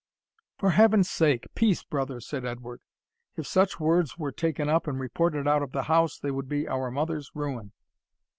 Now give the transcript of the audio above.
"For Heaven's sake, peace, brother!" said Edward; "if such words were taken up and reported out of the house, they would be our mother's ruin."